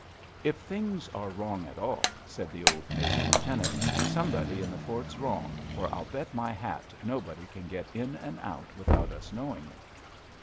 "If things are wrong at all," said the old naval lieutenant, "somebody in the fort's wrong, for I'll bet my hat nobody can get in and out without us knowing it."